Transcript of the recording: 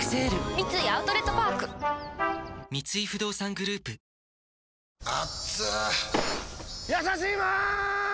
三井アウトレットパーク三井不動産グループやさしいマーン！！